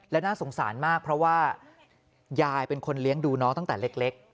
และน่าสงสารมากเพราะว่ายายเป็นคนเลี้ยงดูน้องตั้งแต่เล็ก